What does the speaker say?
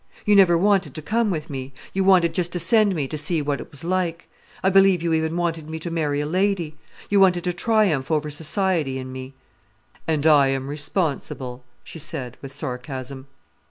You never wanted to come with me: you wanted just to send me to see what it was like. I believe you even wanted me to marry a lady. You wanted to triumph over society in me." "And I am responsible," she said, with sarcasm.